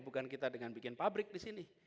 bukan kita dengan bikin pabrik di sini